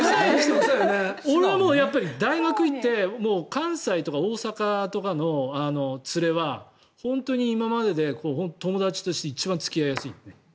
俺は大学に行って関西とか大阪とかの連れは本当に今までで友達として一番付き合いやすいよね。